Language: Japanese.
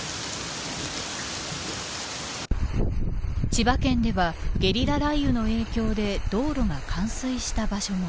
千葉県ではゲリラ雷雨の影響で道路が冠水した場所も。